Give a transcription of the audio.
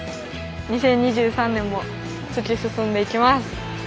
２０２３年も突き進んでいきます！